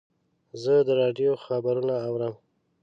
زه د راډیو خبرونه اورم.